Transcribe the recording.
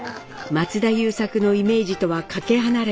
松田優作のイメージとはかけ離れた役。